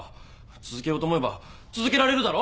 続けようと思えば続けられるだろ？